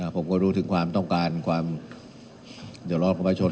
ผมก็รู้ถึงความต้องการความเดี๋ยวร้อนกลับมาชน